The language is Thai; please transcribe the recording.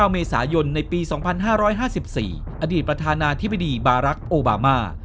เมษายนในปี๒๕๕๔อดีตประธานาธิบดีบารักษ์โอบามา